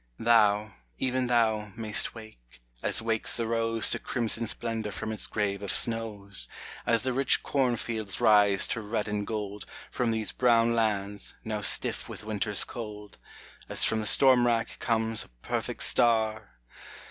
Thou, even thou, mayst wake, as wakes the rose To crimson splendor from its grave of snows; As the rich corn fields rise to red and gold From these brown lands, now stiff with Winter's cold ; As from the storm rack comes a perfect star